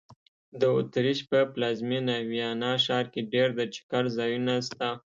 د اوترېش په پلازمېنه ویانا ښار کې ډېر د چکر ځایونه سته.